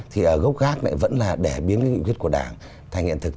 thì ở góc khác này vẫn là để biến cái nghị quyết của đảng thành hiện thực